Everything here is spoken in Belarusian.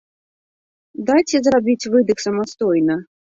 Дайце зрабіць выдых самастойна.